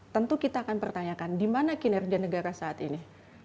tentu kita akan pertanyakan di mana kinerja negara saat ini